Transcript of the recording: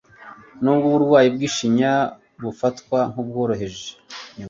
nubwo uburwayi bw'ishinya bufatwa nk'ubworoheje